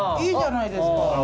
いいじゃないですか。